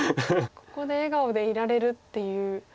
ここで笑顔でいられるっていう。